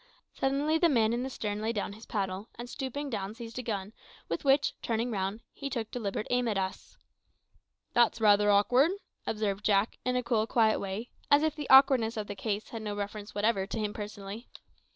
Suddenly the man in the stern laid down his paddle, and stooping down seized a gun, with which, turning round, he took deliberate aim at us. "That's rather awkward," observed Jack, in a cool, quiet way, as if the awkwardness of the case had no reference whatever to him personally.